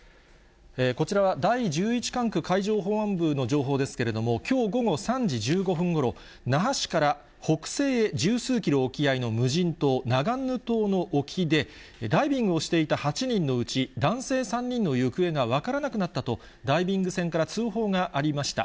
こちらは、第１１管区海上保安部の情報ですけれども、きょう午後３時１５分ごろ、那覇市から北西へ十数キロ沖合の無人島、ナガンヌ島の沖で、ダイビングをしていた８人のうち、男性３人の行方が分からなくなったと、ダイビング船から通報がありました。